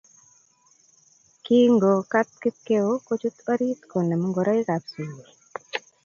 Kingokat Kipokeo kochut orit konem ngoroikab sukul